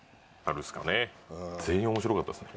全員面白かったっす